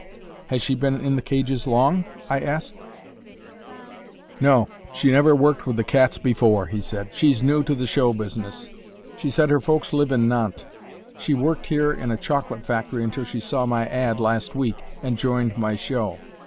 Has she been in the cages long?" I asked. [Illustration: (portrait of woman)] "No, she never worked with the cats before," he said; "she's new to the show business; she said her folks live in Nantes. She worked here in a chocolate factory until she saw my 'ad' last week and joined my show.